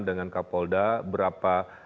dengan kapolda berapa